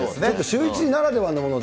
シューイチならではのもの、